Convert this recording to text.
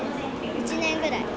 １年ぐらい。